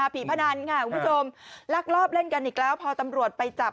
พนันค่ะคุณผู้ชมลักลอบเล่นกันอีกแล้วพอตำรวจไปจับ